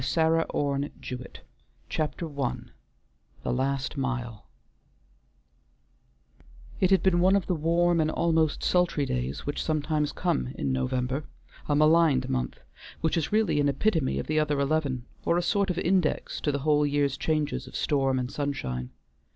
AT HOME AGAIN I THE LAST MILE It had been one of the warm and almost sultry days which sometimes come in November; a maligned month, which is really an epitome of the other eleven, or a sort of index to the whole year's changes of storm and sunshine.